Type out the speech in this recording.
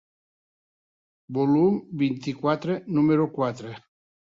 Volum vint-i-quatre, número quatre.